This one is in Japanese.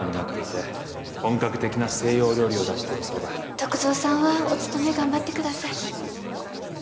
篤蔵さんはお勤め頑張ってください